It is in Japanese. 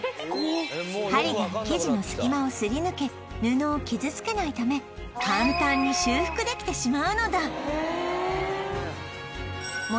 針が生地の隙間をすり抜け布を傷つけないため簡単に修復できてしまうのだ